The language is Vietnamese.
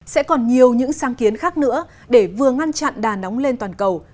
sẽ còn nhiều những sáng kiến khác nữa để vừa ngăn chặn đà nóng lên toàn cầu